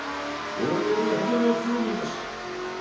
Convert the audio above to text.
これより浜松を目指す。